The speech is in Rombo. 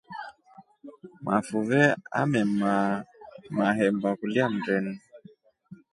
Mafuve amemaama mahemba kulya mndeni.